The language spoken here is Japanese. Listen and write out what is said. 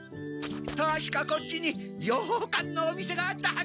たしかこっちにようかんのお店があったはず。